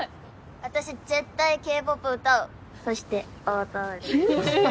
私絶対Ｋ−ＰＯＰ歌うそして踊る。